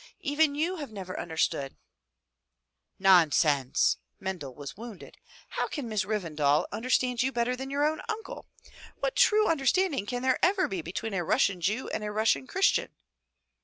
Even you have never understood —" "Nonsense." Mendel was wounded. "How can Miss Rev endal understand you better than your own uncle? What true understanding can there ever be between a Russian Jew and a Russian Christian?"